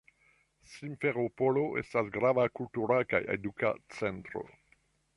Simferopolo estas grava kultura kaj eduka centro.